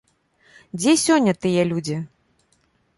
Дзе сёння тыя людзі?